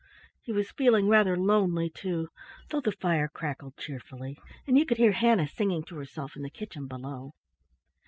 He was feeling rather lonely, too, though the fire crackled cheerfully, and he could hear Hannah singing to herself in the kitchen below.